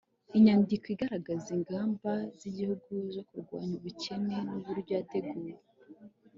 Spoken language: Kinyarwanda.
inyandiko igaragaza ingamba z'igihugu zo kurwanya ubukene n'uburyo yateguwe